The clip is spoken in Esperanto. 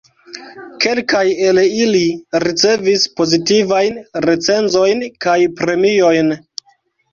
Kelkaj el ili ricevis pozitivajn recenzojn kaj premiojn.